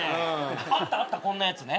あったあったこんなやつね。